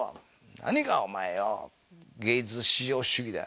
「何がおまえよ芸術至上主義だ」